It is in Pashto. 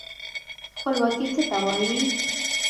خپلواکي څه ته وايي؟